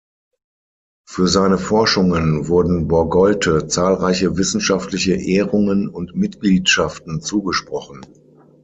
Für seine Forschungen wurden Borgolte zahlreiche wissenschaftliche Ehrungen und Mitgliedschaften zugesprochen.